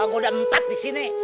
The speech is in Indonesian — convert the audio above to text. gue udah empat di sini